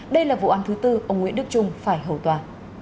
đây là vụ án thứ tư ông nguyễn đức trung phải hầu tòa